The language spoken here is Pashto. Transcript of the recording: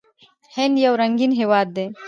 هند یو رنګین هیواد دی.